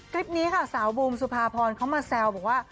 คลิปนี้ค่ะสาวบูมสุภาพรเขามาแซวบอกว่า